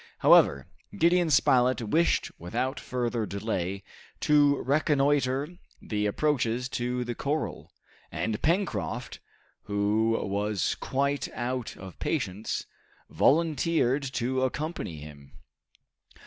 However, Gideon Spilett wished without further delay to reconnoiter the approaches to the corral, and Pencroft, who was quite out of patience, volunteered to accompany him.